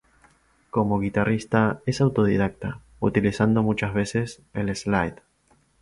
Como guitarrista es autodidacta, utilizando muchas veces el slide.